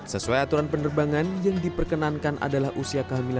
sesuai aturan penerbangan yang diperkenankan adalah usia kehamilan